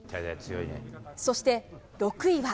そして６位は。